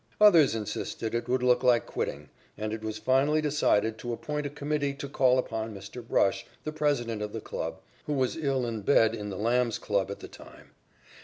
Others insisted it would look like quitting, and it was finally decided to appoint a committee to call upon Mr. Brush, the president of the club, who was ill in bed in the Lambs club at the time.